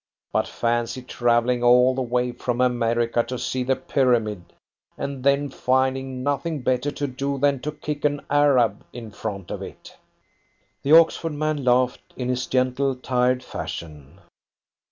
But fancy travelling all the way from America to see the pyramid, and then finding nothing better to do than to kick an Arab in front of it!" The Oxford man laughed in his gentle, tired fashion.